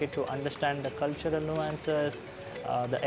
untuk memahami nuansa kultur etnisitas perbedaan bahasa